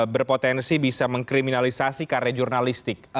berpotensi bisa mengkriminalisasi karya jurnalistik